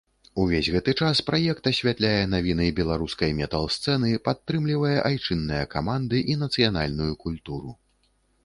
Увесь гэты час праект асвятляе навіны беларускай метал-сцэны, падтрымлівае айчынныя каманды і нацыянальную культуру.